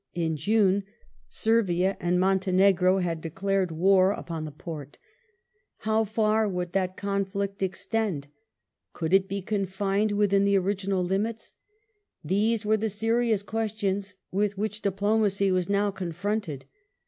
In June, Servia and Montenegro had declared war upon the Porte. How far would that conflict extend ? Could it be confined within the original limits ? These were the serious questions with which diplomacy was now confronted.